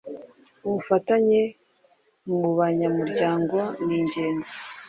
ubufatanye mu banyamuryango ni ingenzi